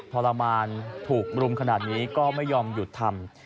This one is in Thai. ทรมานถูกรุมขนาดนี้ก็ไม่ยอมหยุดทำ